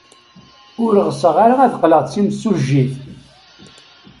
Ur ɣseɣ ara ad qqleɣ d timsujjit.